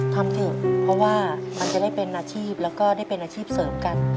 ทำเถอะเพราะว่ามันจะได้เป็นอาชีพแล้วก็ได้เป็นอาชีพเสริมกัน